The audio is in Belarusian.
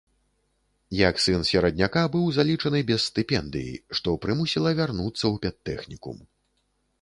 Як сын серадняка быў залічаны без стыпендыі, што прымусіла вярнуцца ў педтэхнікум.